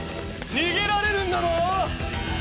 逃げられるんだろ？